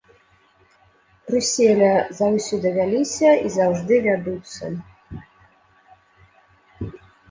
Бруселя, заўсёды вяліся і заўжды вядуцца.